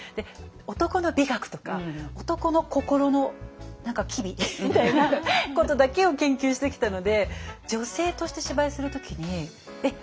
男の美学とか男の心の機微みたいなことだけを研究してきたので女性として芝居をする時にえっ